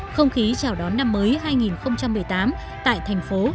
không khí chào đón năm mới hai nghìn một mươi tám tại thành phố